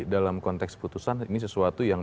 dalam konteks putusan ini sesuatu yang